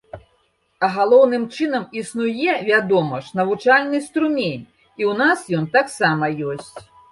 А галоўным чынам, існуе, вядома ж, навучальны струмень і ў нас ён таксама ёсць.